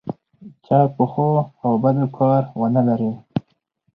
چا په ښو او بدو کار ونه لري.